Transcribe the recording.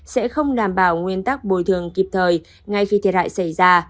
sẽ không đảm bảo nguyên tắc bồi thường kịp thời ngay khi thiệt hại xảy ra